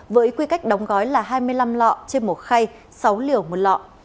với quy cách đóng gói là hai mươi năm lọ trên một khay sáu liều một lọ